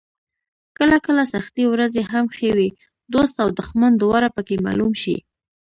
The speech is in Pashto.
کله کله سختې ورځې هم ښې وي، دوست او دښمن دواړه پکې معلوم شي.